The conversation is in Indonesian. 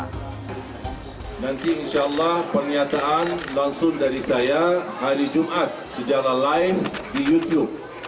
nanti insya allah pernyataan langsung dari saya hari jumat secara live di youtube